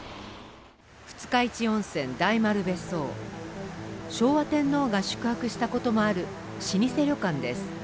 二日市温泉・大丸別荘、昭和天皇が宿泊したこともある老舗旅館です。